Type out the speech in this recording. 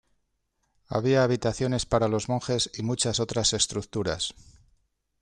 Había habitaciones para los monjes y muchas otras estructuras.